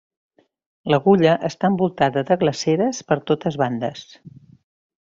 L'agulla està envoltada de glaceres per totes bandes.